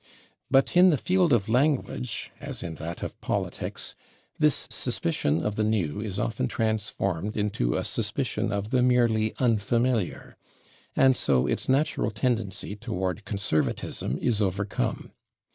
But in the field of language, as in that of politics, this suspicion of the new is often transformed into a suspicion of the merely unfamiliar, and so its natural tendency toward conservatism is overcome.